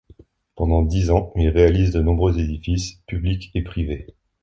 Pendant dix ans, il réalise de nombreux édifices publics et privés.